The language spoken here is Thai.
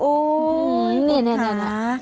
อุ๊ยนี่ค่ะ